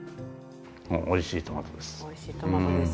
おいしいトマトです。